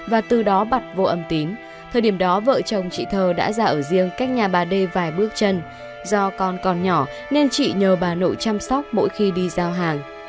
và từ đó bật vô âm tín thời điểm đó vợ chồng chị thơ đã ra ở riêng cách nhà bà d vài bước chân do con còn nhỏ nên chị nhờ bà nội chăm sóc mỗi khi đi giao hàng